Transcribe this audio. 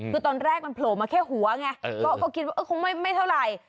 คือตอนแรกมันโผล่มาแค่หัวไงก็คิดว่าคงไม่เท่าไหร่